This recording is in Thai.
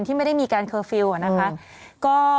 ที่ไม่ได้มีการเคอร์ฟิลล์นะคะ